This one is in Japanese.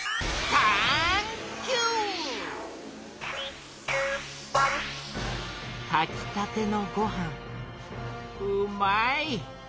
たきたてのごはんうまい！